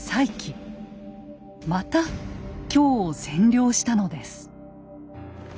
また京を占領したのです。